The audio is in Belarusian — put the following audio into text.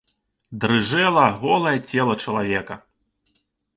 Дрыжэла голае цела чалавека.